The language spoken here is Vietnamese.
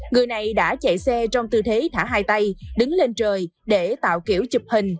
người này đã chạy xe trong tư thế thả hai tay đứng lên trời để tạo kiểu chụp hình